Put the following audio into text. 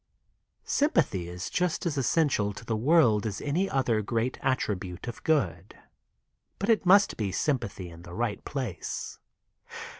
Sympathy is just as essential to the world as any other great attribute of good, but it must be sym pathy in the right place.